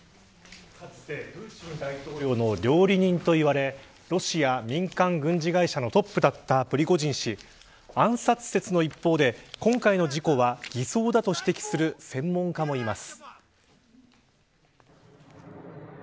かつてプーチン大統領の料理人と言われロシアの民間軍事会社のトップだったプリゴジン氏暗殺説の一方で今回の事故は偽装だと指摘する専門家もいます。